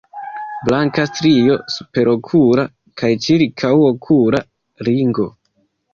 Blanka strio superokula kaj ĉirkaŭokula ringo.